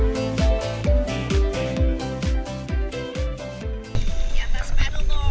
di atas paddleboard